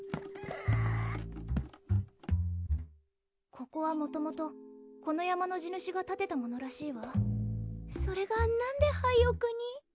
ここはもともとこの山の地主がたてたものらしいわそれがなんで廃屋に？